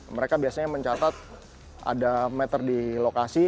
mereka biasanya mencatat ada meter di lokasi